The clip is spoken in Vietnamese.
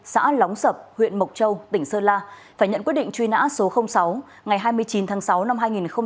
xã lóng sập huyện mộc châu tỉnh sơn la phải nhận quyết định truy nã số sáu ngày hai mươi chín tháng sáu năm hai nghìn một mươi bảy